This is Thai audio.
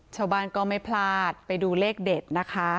ชาวบ้านก็ไม่พลาดไปดูเลขเด็ดนะคะ